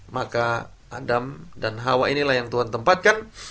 maka adam dan hawa inilah yang tuhan tempatkan